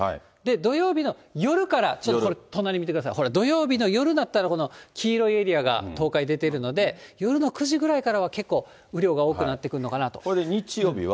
土曜日の夜からちょっとこれ、隣見てください、これ、土曜日の夜になったら黄色いエリアが東海出ているので、夜の９時ぐらいからは結構、これで日曜日は？